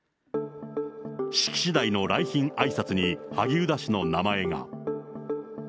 式次第の来賓あいさつに、萩生田氏の名前が。